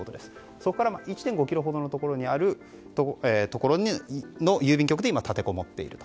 そこから１．５ｋｍほどのところにある郵便局に今、立てこもっていると。